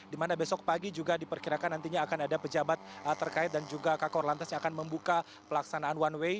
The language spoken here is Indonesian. dimana besok pagi juga diperkirakan nantinya akan ada pejabat terkait dan juga kakor lantas yang akan membuka pelaksanaan one way